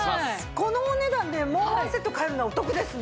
このお値段でもうワンセット買えるのはお得ですね。